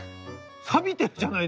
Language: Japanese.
さびてるじゃないですか！